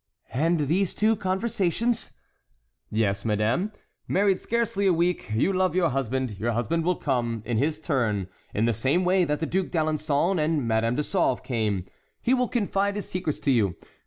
"And these two conversations"— "Yes, madame; married scarcely a week, you love your husband; your husband will come, in his turn, in the same way that the Duc d'Alençon and Madame de Sauve came. He will confide his secrets to you.